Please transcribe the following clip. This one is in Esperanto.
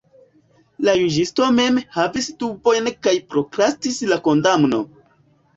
La juĝisto mem havis dubojn kaj prokrastis la kondamno.